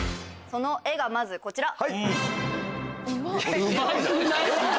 その絵がこちら。